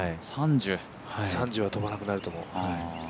３０は飛ばなくなると思う。